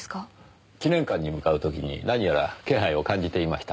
記念館に向かう時に何やら気配を感じていました。